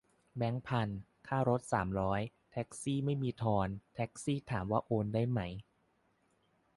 แบงค์พัน ค่ารถสามร้อย แท็กซี่ไม่มีทอน แท็กซี่ถามว่าโอนได้ไหม